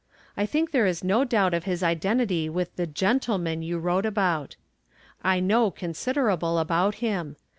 I think there is no doubt of his identity with the gentle man you wrote about. I know considerable about him.